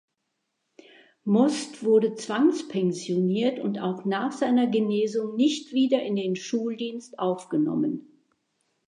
Most wurde zwangspensioniert und auch nach seiner Genesung nicht wieder in den Schuldienst aufgenommen.